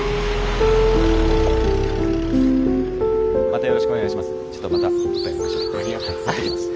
またよろしくお願いします。